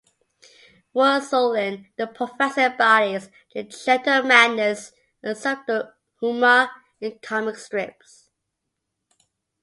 For Assouline, the professor embodies "the gentle madness and subtle humour in comic strips".